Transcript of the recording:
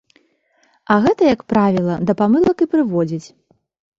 А гэта, як правіла, да памылак і прыводзіць.